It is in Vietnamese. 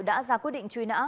đã ra quyết định truy nã